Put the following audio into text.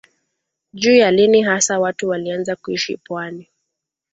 Juu ya lini hasa watu walianza kuishi pwani